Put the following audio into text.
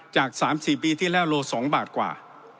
จาก๓๔ปีที่แล้วโล๒บาทกว่า